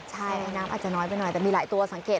ใช่น้ำอาจจะน้อยไปหน่อยแต่มีหลายตัวสังเกต